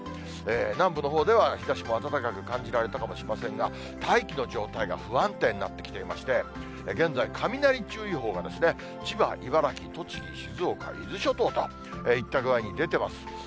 南部のほうでは、日ざしも暖かく感じられたかもしれませんが、大気の状態が不安定になってきていまして、現在、雷注意報が千葉、茨城、栃木、静岡、伊豆諸島といった具合に出てます。